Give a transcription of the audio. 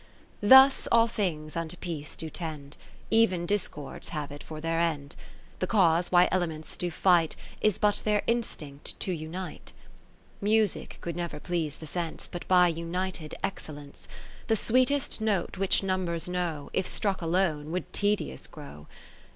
Ill Thus all things unto peace do tend, Even discords have it for their end. The cause why elements do fight, 1 1 Is but their instinct to unite. IV iMusic could never please the sense But by united excellence : The sweetest note which numbers know, If struck alone, would tedious grow.